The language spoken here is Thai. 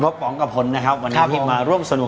ผมอยากบอกว่าพรวงกับพนธุ์วันนี้มาร่วมสนุก